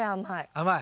甘い。